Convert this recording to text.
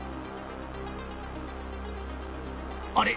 あれ？